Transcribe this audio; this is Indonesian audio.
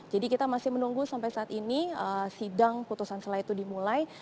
kita masih menunggu sampai saat ini sidang putusan setelah itu dimulai